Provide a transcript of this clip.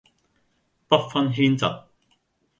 不分軒輊